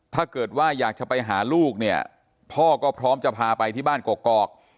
ถ้าเกิดว่าอยากจะไปหาลูกเนี่ยพ่อก็พร้อมจะพาไปที่บ้านกอก